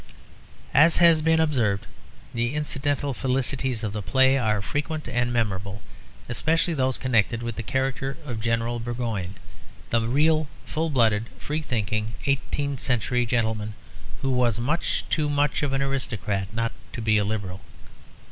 As has been observed, the incidental felicities of the play are frequent and memorable, especially those connected with the character of General Burgoyne, the real full blooded, free thinking eighteenth century gentleman, who was much too much of an aristocrat not to be a liberal.